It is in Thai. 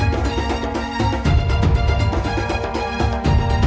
ก็ไม่รู้ว่าเกิดอะไรขึ้นข้างหลัง